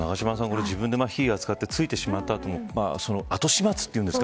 永島さん、自分で火を扱って、ついてしまった後後始末と言うんですか